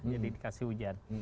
jadi dikasih hujan